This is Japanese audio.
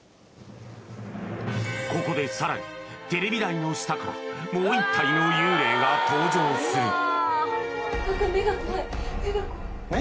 ここでさらにテレビ台の下からもう１体の幽霊が登場する何か目が怖い目が怖い目？